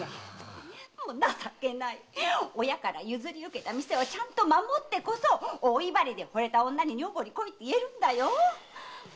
情けない親から譲り受けた店はちゃんと守ってこそ大いばりで惚れた女に「女房に来い」って言えるんだよ。